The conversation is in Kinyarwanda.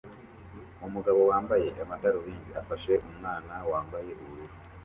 Umugabo wambaye amadarubindi afashe umwana wambaye ubururu